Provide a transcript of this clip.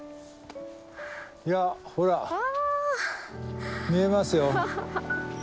ほら見えますよ。